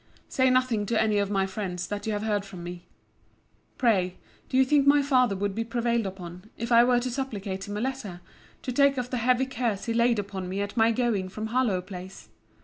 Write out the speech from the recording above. Say nothing to any of my friends that you have heard from me. Pray, do you think my father would be prevailed upon, if I were to supplicate him by letter, to take off the heavy curse he laid upon me at my going from Harlowe place?